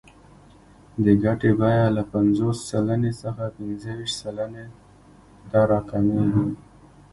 د ګټې بیه له پنځوس سلنې څخه پنځه ویشت سلنې ته راکمېږي